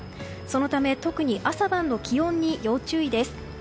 そのため特に朝晩の気温に要注意です。